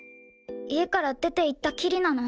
家から出ていったきりなの？